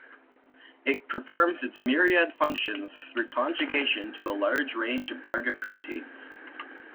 It performs its myriad functions through conjugation to a large range of target proteins.